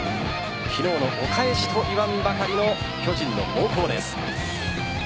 昨日のお返しと言わんばかりの巨人の猛攻です。